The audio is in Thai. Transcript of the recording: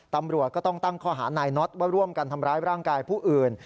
ตำรวจก็ต้องตั้งข้อหานายน็อตว่าร่วมกันทำร้ายร่างกายผู้อื่น